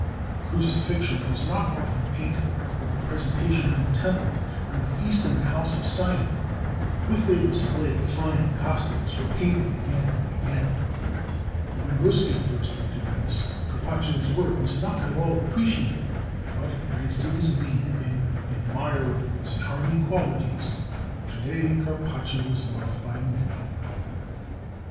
The Crucifixion was not often painted; but the Presentation in the Temple and the Feast in the House of Simon, with their display of fine costumes, were painted again and again. When Ruskin first went to Venice, Carpaccio's work was not at all appreciated; but, thanks to his lead in admiring its charming qualities, today Carpaccio is loved by many.